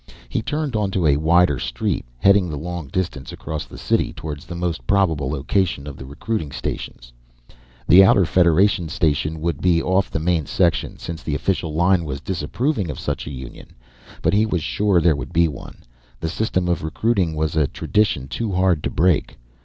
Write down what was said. He turned onto a wider street, heading the long distance across the city toward the most probable location of the recruiting stations. The Outer Federation station would be off the main section, since the official line was disapproving of such a union. But he was sure there would be one. The system of recruiting was a tradition too hard to break.